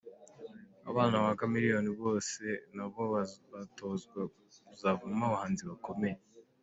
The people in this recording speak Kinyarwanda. Abana ba Chameleone bose na bo batozwa kuzavamo abahanzi bakomeye.